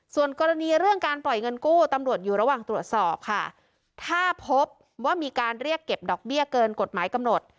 ส่วนกรณีเรื่องการปล่อยเงินกู้ตำรวจอยู่ระหว่างตรวจสอบค่ะถ้าพบว่ามีการเรียกเก็บดอกเบี้ยเกินกฎหมายกำหนด